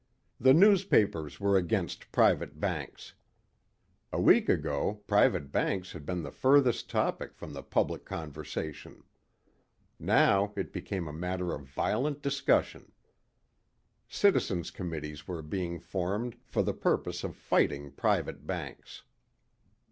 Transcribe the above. The newspapers were against private banks. A week ago private banks had been the furthest topic from the public conversation. Now it became a matter of violent discussion. Citizens committees were being formed for the purpose of fighting private banks.